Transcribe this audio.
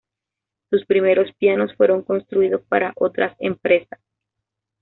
Sus primeros pianos fueron construidos para otras empresas.